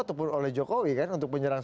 ataupun oleh jokowi kan untuk menyerang